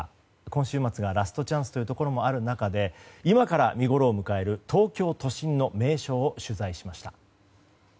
今週末がラストチャンスというところもあるという中で今から見ごろを迎える東京都心の名所を取材しました。